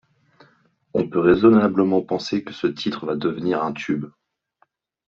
On peut raisonnablement penser que ce titre va devenir un tube.